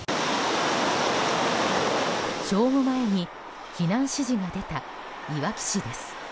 正午前に避難指示が出たいわき市です。